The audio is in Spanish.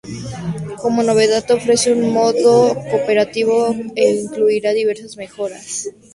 Como novedad ofrece un modo cooperativo e incluirá diversas mejoras.